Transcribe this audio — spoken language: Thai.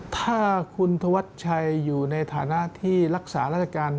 ถ้าคุณธวัชชัยอยู่ในฐานะที่รักษาราชการ